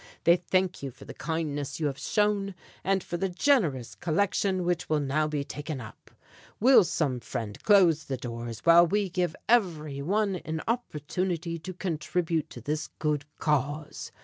They thank you for the kindness you have shown, and for the generous collection which will now be taken up. "Will some friend close the doors while we give every one an opportunity to contribute to this good cause?